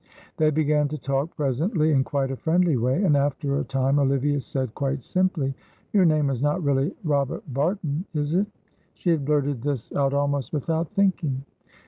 They began to talk presently in quite a friendly way, and after a time Olivia said, quite simply: "Your name is not really Robert Barton, is it?" She had blurted this out almost without thinking.